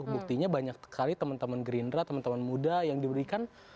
buktinya banyak sekali teman teman gerindra teman teman muda yang diberikan